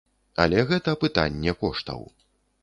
Але гэта пытанне коштаў.